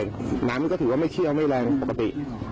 น้ำมันก็ถือว่าไม่เชี่ยวไม่แรงปกติ